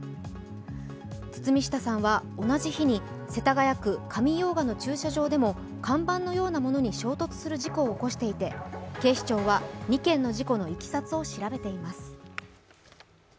堤下さんは同じ日に世田谷区上用賀の駐車場でｓも看板のようなものに衝突する事故を起こしていて警視庁は２件の事故のいきさつを調べています。